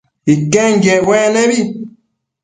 Iquenquiec uec nebi